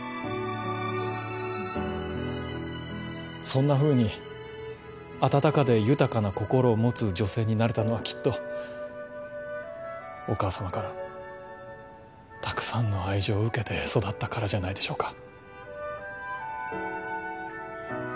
そんなふうに温かで豊かな心を持つ女性になれたのはきっとお母様からたくさんの愛情を受けて育ったからじゃないでしょうか